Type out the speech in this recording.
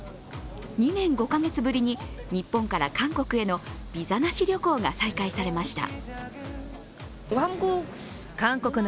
２年５カ月ぶりに日本から韓国へのビザなし旅行が再開されました。